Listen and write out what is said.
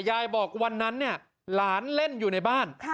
ยายบอกวันนั้นเนี่ยหลานเล่นอยู่ในบ้าน